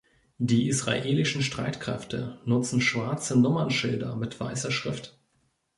Die israelischen Streitkräfte nutzen schwarze Nummernschilder mit weißer Schrift.